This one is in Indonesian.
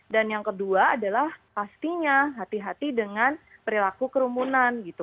dan yang kedua adalah pastinya hati hati dengan perilaku kerumunan gitu